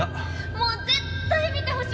もう絶対見てほしいです。